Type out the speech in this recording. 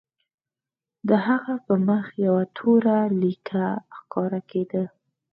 د هغه په مخ یوه توره لیکه ښکاره کېده